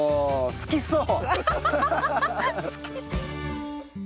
好きそう。